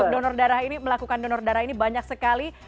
karena melakukan donor darah ini banyak sekali